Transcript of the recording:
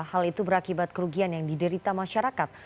hal itu berakibat kerugian yang diderita masyarakat